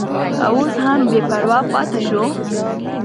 که اوس هم بې پروا پاتې شو.